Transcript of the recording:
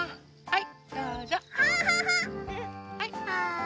はい。